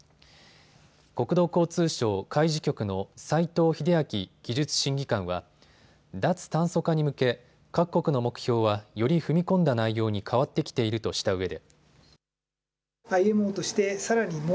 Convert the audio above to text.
国土交通省海事局の斎藤英明技術審議官は脱炭素化に向け、各国の目標はより踏み込んだ内容に変わってきているとしたうえで。